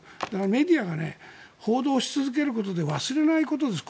メディアが報道し続けることで忘れないことです。